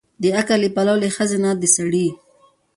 د عقل له پلوه له ښځې نه د سړي